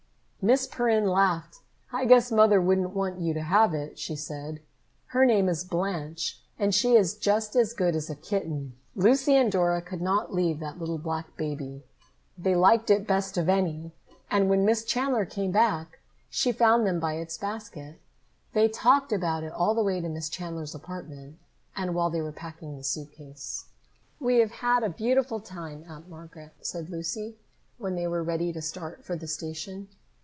Miss Perrin laughed. "I guess Mother wouldn't want you to have it," she said. "Her name is Blanche, and she is just as good as a kitten." Lucy and Dora could not leave that little black baby. They liked it best of any, and when Miss Chandler came back, she found them by its basket. They talked about it all the way to Miss Chandler's apartment, and while they were packing the suit case. "We have had a beautiful time, Aunt Margaret," said Lucy, when they were ready to start for the station.